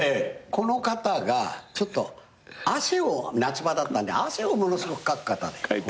この方がちょっと汗を夏場だったんで汗をものすごくかく方で。